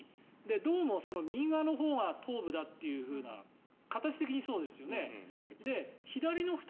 どうも右側のほうが頭部だというふうな形的にそうですよね